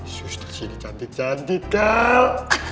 sus disini cantik cantik kal